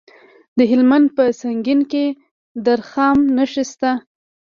د هلمند په سنګین کې د رخام نښې شته.